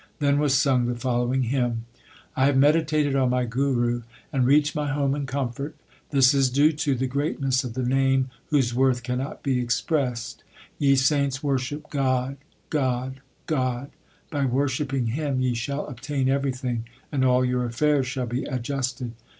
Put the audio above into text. Then was sung the following hymn : I have meditated on my Guru, And reached my home in comfort. This is due to the greatness of the Name Whose worth cannot be expressed. Ye saints, worship God, God, God : By worshipping Him ye shall obtain everything, and all your affairs shall be adjusted.